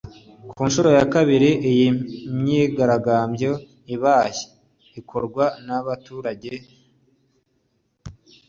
Ku nshuro ya kabiri iyi myigaragambyo ibaye; ikorwa n’abaturage binubira iyongezwa ry’imishahara y’Abadepite